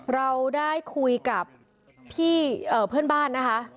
เราได้คุยกับพี่เพื่อนบ้านนะคะ